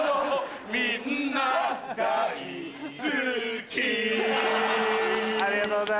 みんな大好きありがとうございます。